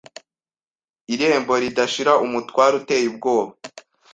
Irembo ridashira umutware uteye ubwoba